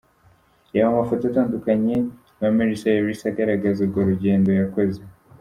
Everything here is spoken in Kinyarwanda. Reba amafoto atandukanye rwa Miss Elsa agaragaza urwo rugendo rwose yakoze.